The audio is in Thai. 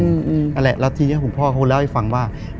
คือก่อนอื่นพี่แจ็คผมได้ตั้งชื่อเอาไว้ชื่อเอาไว้ชื่อเอาไว้ชื่อเอาไว้ชื่อ